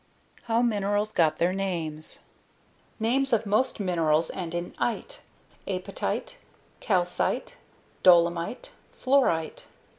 How Minerals Got Their Names Names of most minerals end in "ite" apatite, calcite, dolomite, fluorite.